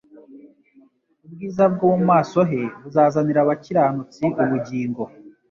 Ubwiza bwo mu maso he buzazanira abakiranutsi ubugingo,